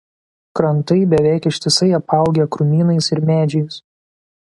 Krantai beveik ištisai apaugę krūmynais ir medžiais.